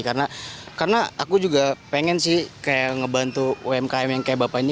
karena aku juga pengen sih ngebantu umkm yang kayak bapak ini